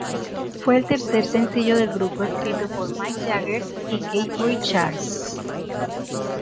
Fue el tercer sencillo del grupo escrito por Mick Jagger y Keith Richards.